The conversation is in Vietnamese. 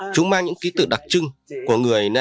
chúng mang những ký tự đặc trưng của người nean